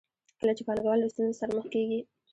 کله چې پانګوال له ستونزو سره مخ کېږي